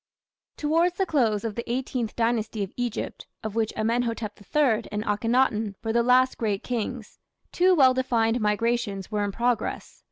Towards the close of the Eighteenth Dynasty of Egypt, of which Amenhotep III and Akhenaton were the last great kings, two well defined migrations were in progress.